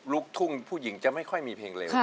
ลูกทุ่งผู้หญิงจะไม่ค่อยมีเพลงเร็ว